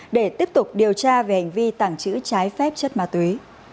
để tiếp tục điều tra về hành vi tảng chữ trái phép chất ma túy